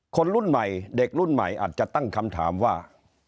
คนรุ่นใหม่เด็กรุ่นใหม่อาจจะตั้งคำถามว่า